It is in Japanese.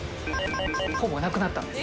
ほぼなくなったんです。